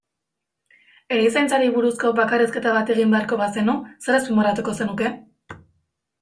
Erizaintzari buruzko bakarrizketa bat egin behar bazenu, zer azpimarratuko zenuke?